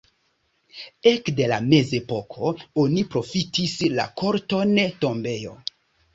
Ekde la mezepoko oni profitis la korton tombejo.